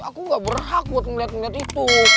aku gak berhak buat ngeliat ngeliat itu